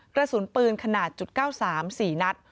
กระสุนปืนขนาด๙๓๔นัด